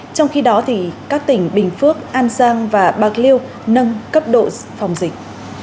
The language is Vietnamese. trong khi đó các tỉnh bình phước an giang và bạc liêu nâng cấp độ phòng dịch